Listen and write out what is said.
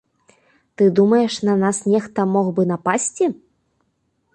Ты думаеш, на нас нехта мог бы напасці?